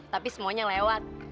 tapi semuanya lewat